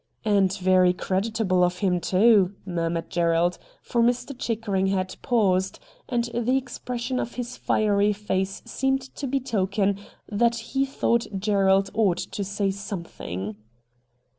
' And very creditable of him too,' mur mured Gerald, for Mr. Chickering had paused, and the expression of his fiery face seemed to betoken that he thoua:ht Gerald ouaht to say something.